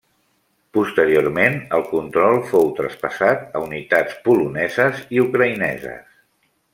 Posteriorment el control fou traspassat a unitats poloneses i ucraïneses.